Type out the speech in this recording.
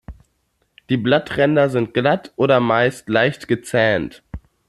Die Blattränder sind glatt oder meist leicht gezähnt.